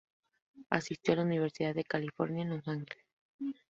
Asistió a la Universidad de California en Los Ángeles.